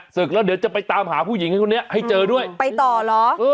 ศึกแล้วเดี๋ยวจะไปตามหาผู้หญิงคนนี้ให้เจอด้วยไปต่อเหรอ